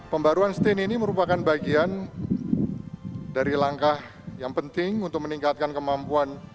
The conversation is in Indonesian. pembaruan strain ini merupakan bagian dari langkah yang penting untuk meningkatkan kemampuan